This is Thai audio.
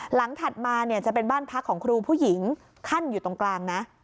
ถัดมาเนี่ยจะเป็นบ้านพักของครูผู้หญิงขั้นอยู่ตรงกลางนะ